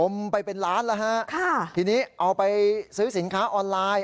ไปเป็นล้านแล้วฮะค่ะทีนี้เอาไปซื้อสินค้าออนไลน์